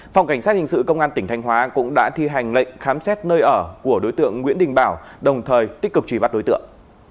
phòng cảnh sát hình sự công an tỉnh thanh hóa cũng đã thi hành lệnh khám xét nơi ở của đối tượng nguyễn đình bảo đồng thời tích cực truy bắt đối tượng